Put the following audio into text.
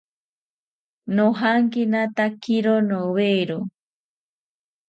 Nojankinatakiro nowero